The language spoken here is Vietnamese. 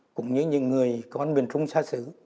cũng như những người con miền trung xa xứ